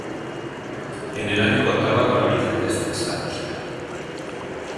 En el año contaba con habitantes censados.